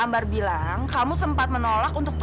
mari silahkan masuk bu